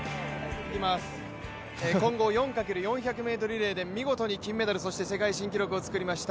混合４×４００ｍリレーで見事に金メダル、そして世界新記録を作りました